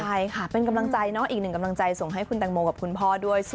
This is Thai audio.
ใช่ค่ะเป็นกำลังใจเนาะอีกหนึ่งกำลังใจส่งให้คุณแตงโมกับคุณพ่อด้วย